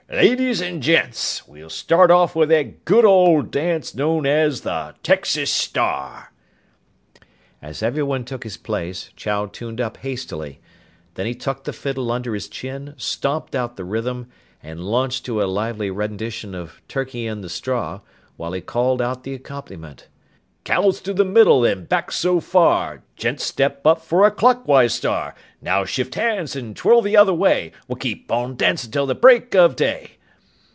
"Ladies an' gents, we'll start off with that good old dance known as the Texas Star!" As everyone took his place, Chow tuned up hastily. Then he tucked the fiddle under his chin, stomped out the rhythm, and launched into a lively rendition of "Turkey in the Straw" while he called out the accompaniment: "_Gals to the middle, then back so far! Gents step up for a clockwise star! Now shift hands and twirl t'other way, We'll keep on dancin' till the break o' day....